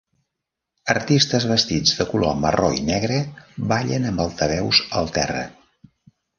Artistes vestits de color marró i negre ballen amb altaveus al terra.